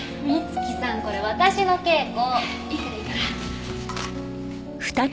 美月さんこれ私の稽古。